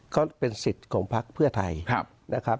ก็เป็นสิทธิ์ของพักเพื่อไทยนะครับ